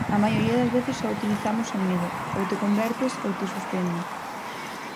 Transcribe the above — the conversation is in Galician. A maioría das veces só utilizamos o medo, ou te convertes ou te suspendo.